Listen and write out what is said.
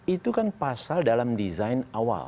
itu kan pasal dalam desain awal